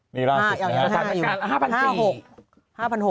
นี่ล่าสุดนะครับ